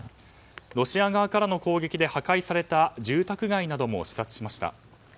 ロシア側からの攻撃で破壊された住宅街なども視察しました。